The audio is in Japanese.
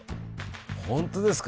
本当ですか？